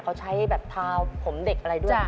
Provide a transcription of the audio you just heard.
เขาใช้แบบทาวผมเด็กอะไรด้วย